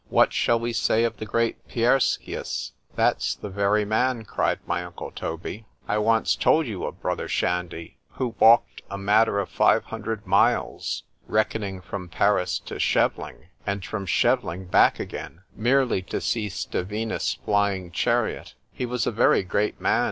——What shall we say of the great Piereskius?—That's the very man, cried my uncle Toby, I once told you of, brother Shandy, who walked a matter of five hundred miles, reckoning from Paris to Shevling, and from Shevling back again, merely to see Stevinus's flying chariot.——He was a very great man!